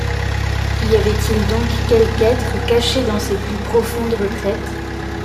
Y avait-il donc quelque être caché dans ses plus profondes retraites